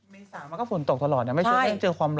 มีสามมันก็ฝนตกตลอดยังไม่เชื่อว่าจะเจอความร้อน